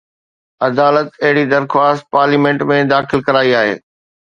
عدالت اهڙي درخواست پارليامينٽ ۾ داخل ڪرائي آهي